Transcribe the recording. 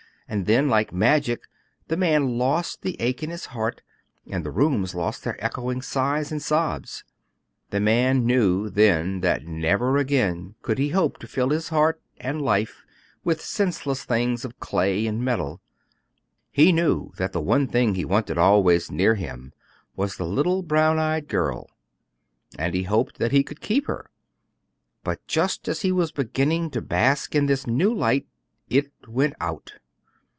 And then, like magic, the man lost the ache in his heart, and the rooms lost their echoing sighs and sobs. The man knew, then, that never again could he hope to fill his heart and life with senseless things of clay and metal. He knew that the one thing he wanted always near him was the little brown eyed girl; and he hoped that he could keep her. But just as he was beginning to bask in this new light it went out.